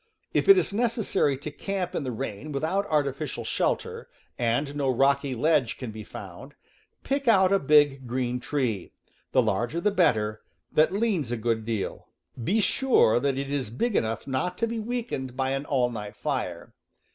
If it is necessary to camp in the rain without artificial shelter, and no rocky ledge can be found, pick out a big green tree — the larger the better — that leans a good deal. Be sure that it is big enough not to be weakened by an all night fire.